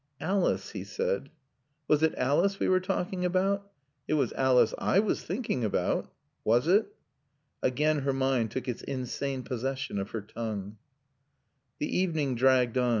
"Alice," he said. "Was it Alice we were talking about?" "It was Alice I was thinking about." "Was it?" Again her mind took its insane possession of her tongue. The evening dragged on.